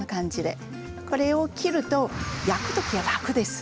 これを切ると焼くとき楽です。